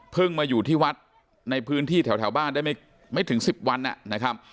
มาอยู่ที่วัดในพื้นที่แถวบ้านได้ไม่ถึง๑๐วันนะครับ